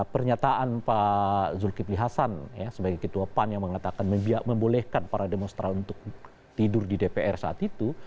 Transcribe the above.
pernyataan pak zulkifli hasan sebagai ketua pan yang mengatakan membolehkan para demonstran untuk tidur di dpr saat itu